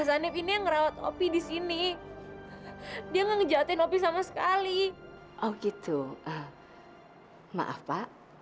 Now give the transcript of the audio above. saya harus berterima kasih karena